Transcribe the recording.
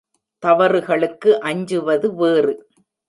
தவறுகளுக்கு அஞ்சுவது வேறு.